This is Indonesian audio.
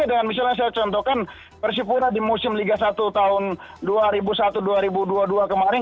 jadi dengan misalnya saya contohkan persipura di musim liga satu tahun dua ribu satu dua ribu dua puluh dua kemarin